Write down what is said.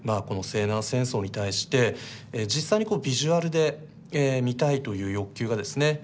この西南戦争に対して実際にこうビジュアルで見たいという欲求がですね